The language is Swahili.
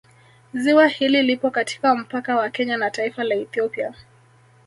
Ziwa hili lipo katika mpaka wa Kenya na taifa la Ethiopia